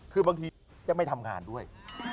คือบางทีจะไม่ทำงานด้วย